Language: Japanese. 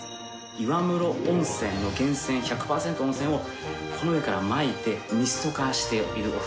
岩室温泉の源泉１００パーセントの温泉をこの上からまいてミスト化しているお風呂です。